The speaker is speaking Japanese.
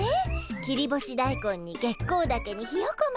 切り干し大根に月光ダケにひよこ豆。